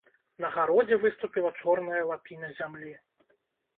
На гародзе выступіла чорная лапіна зямлі.